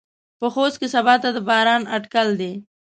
په خوست کې سباته د باران اټکل دى.